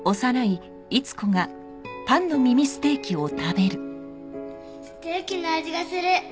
ステーキの味がする。